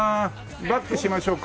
バックしましょうか？